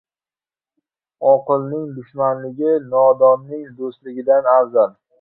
• Oqilning dushmanligi nodonning do‘stligidan afzal.